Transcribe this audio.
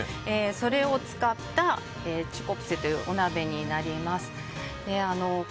それを使ったチュコプセというお鍋になります。